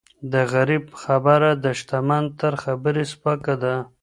د غریب خبره د شتمن تر خبري سپکه ده.